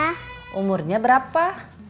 iya umurnya berapa